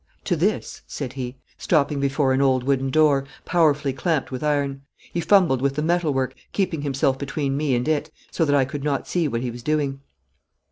'To this,' said he, stopping before an old wooden door, powerfully clamped with iron. He fumbled with the metal work, keeping himself between me and it, so that I could not see what he was doing.